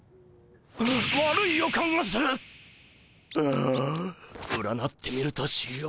あ占ってみるとしよう。